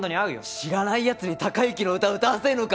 知らないヤツに孝之の歌を歌わせるのか？